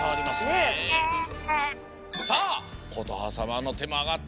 イエイ！さあことはさまのてもあがった。